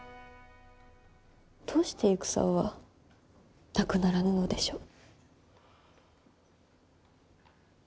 どうして戦はなくならぬのでしょう。